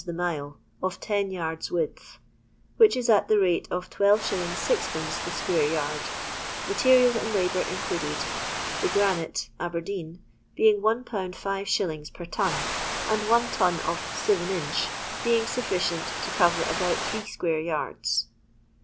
the mile, of ten yards' width, which is at the rate of 12s. 6<L the square yard, materials and labour included, the granite (Aber deen) being 1/. 5s. per ton, and one ton of "seven inch" being sufficient to cover about three square yards.